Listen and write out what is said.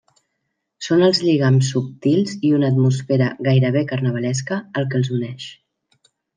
Són els lligams subtils i una atmosfera gairebé carnavalesca el que els uneix.